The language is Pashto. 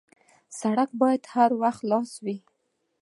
سړک باید هر وخت خلاص وي.